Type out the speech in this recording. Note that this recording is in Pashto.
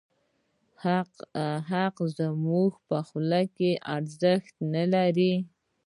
حق زموږ په خوله کې ارزښت نه لري.